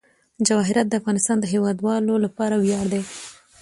جواهرات د افغانستان د هیوادوالو لپاره ویاړ دی.